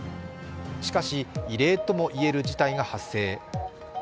しかし、異例とも言える事態が発生。